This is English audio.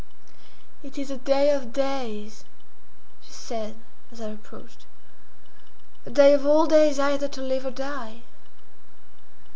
"It is a day of days," she said, as I approached; "a day of all days either to live or die.